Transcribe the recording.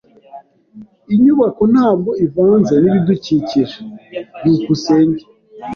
Inyubako ntabwo ivanze nibidukikije. byukusenge